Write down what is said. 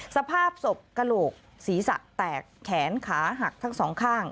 สภาพศพกระโหลกศีรษะแตกแขนขาหักทั้งสองข้าง